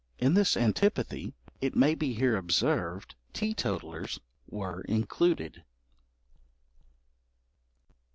In this antipathy, it may be here observed, teetotallers were included.